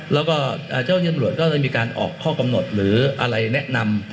แล้วก็เจ้าที่ตำรวจก็ได้มีการออกข้อกำหนดหรืออะไรแนะนำ